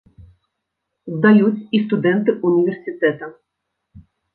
Здаюць і студэнты ўніверсітэта.